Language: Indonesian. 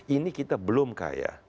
ini kita belum kaya